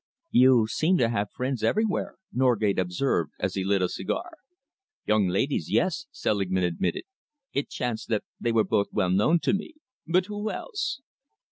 "You seem to have friends everywhere," Norgate observed, as he lit a cigar. "Young ladies, yes," Selingman admitted. "It chanced that they were both well known to me. But who else?"